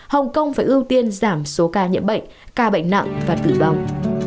hồng kông phải ưu tiên giảm số ca nhiễm bệnh ca bệnh nặng và tử vong